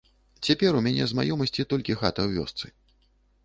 Цяпер у мяне з маёмасці толькі хата ў вёсцы.